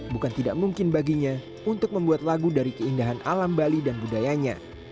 bukan tidak mungkin baginya untuk membuat lagu dari keindahan alam bali dan budayanya